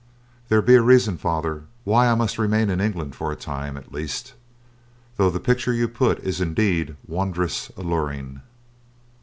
"There be a reason, Father, why I must remain in England for a time at least, though the picture you put is indeed wondrous alluring."